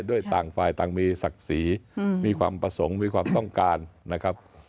ต่างฝ่ายต่างมีศักดิ์ศรีมีความประสงค์มีความต้องการนะครับ